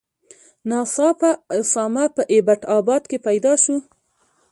ناڅاپه اسامه په ایبټ آباد کې پیدا شو.